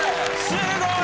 すごい。